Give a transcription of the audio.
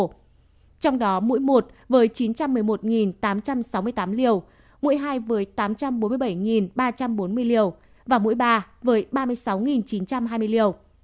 trong đó mũi một với chín trăm một mươi một tám trăm sáu mươi tám liều mũi hai với tám trăm bốn mươi bảy ba trăm bốn mươi liều và mũi ba với ba mươi sáu chín trăm hai mươi liều